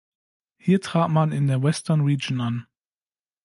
Hier trat man in der Western Region an.